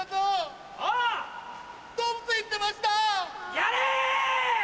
やれ！